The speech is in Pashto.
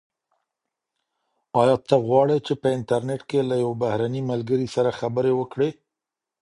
ایا ته غواړې چي په انټرنیټ کي له یو بهرني ملګري سره خبرې وکړې؟